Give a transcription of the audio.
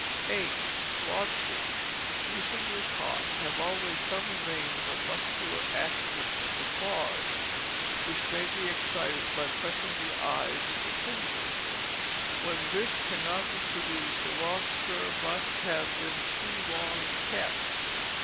8. Lobsters recently caught, have always some remains of muscular action in the claws, which may be excited by pressing the eyes with the finger; when this cannot be produced, the lobster must have been too long kept.